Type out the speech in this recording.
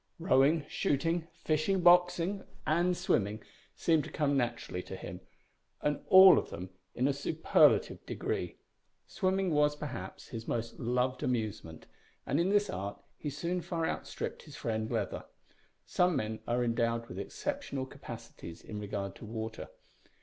Rowing, shooting, fishing, boxing, and swimming seemed to come naturally to him, and all of them in a superlative degree. Swimming was, perhaps, his most loved amusement and in this art he soon far outstripped his friend Leather. Some men are endowed with exceptional capacities in regard to water.